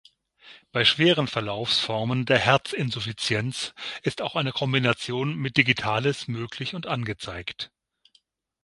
Bei schweren Verlaufsformen der Herzinsuffizienz ist auch eine Kombination mit Digitalis möglich und angezeigt.